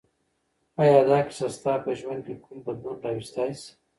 آیا دا کیسه ستا په ژوند کې کوم بدلون راوستی شي؟